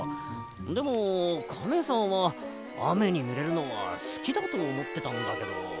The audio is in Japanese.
でもカメさんはあめにぬれるのはすきだとおもってたんだけど。